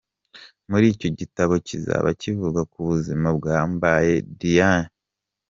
Muri icyo gitabo kizaba kivuga ku buzima bwa Mbaye Diagne.